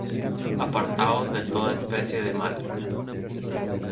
Apartaos de toda especie de mal.